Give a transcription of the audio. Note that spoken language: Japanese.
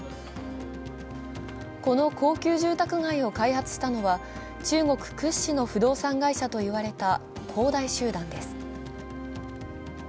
この高級住宅街を開発したのは中国屈指の不動産会社と言われた恒大集団です。